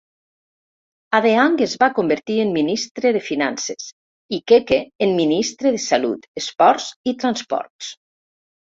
Adeang es va convertir en ministre de finances i Keke en ministre de salut, esports i transports.